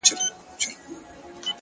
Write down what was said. خو ستا به زه اوس هيڅ په ياد كي نه يم!